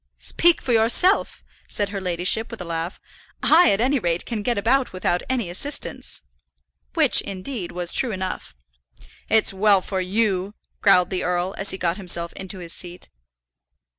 "Speak for yourself," said her ladyship, with a laugh. "I, at any rate, can get about without any assistance," which, indeed, was true enough. "It's well for you!" growled the earl, as he got himself into his seat.